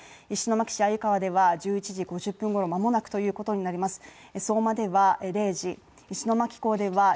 石巻市では１１時５０分ごろまもなくということになります